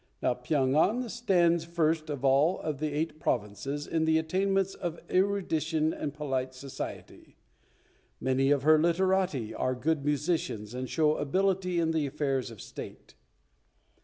Now Pyong an stands first of all the eight provinces in the attainments of erudition and polite society. Many of her literati are good musicians, and show ability in the affairs of State.